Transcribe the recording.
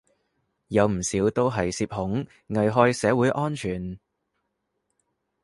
有唔少都係涉恐，危害社會安全